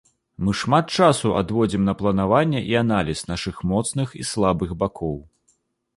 Мы шмат часу адводзім на планаванне і аналіз нашых моцных і слабых бакоў.